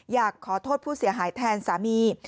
อยากขอโทษผู้เสียหายแทนสามี